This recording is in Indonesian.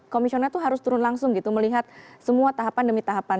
komisioner itu harus turun langsung gitu melihat semua tahapan demi tahapan